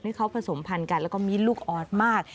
เขาผสมพันธ์กันแล้วก็มีลูกออดมาก